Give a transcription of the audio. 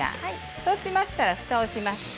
そうしましたら、ふたをします。